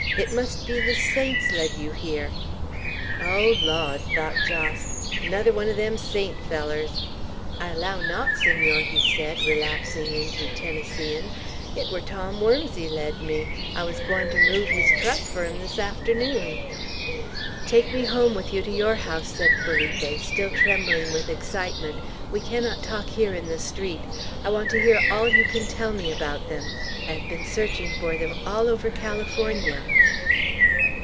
It must be the saints led you here!" "Oh, Lawd!" thought Jos; "another o' them 'saint' fellers! I allow not, Senor," he said, relapsing into Tennesseean. "It wur Tom Wurmsee led me; I wuz gwine ter move his truck fur him this arternoon." "Take me home with you to your house," said Felipe, still trembling with excitement; "we cannot talk here in the street. I want to hear all you can tell me about them. I have been searching for them all over California."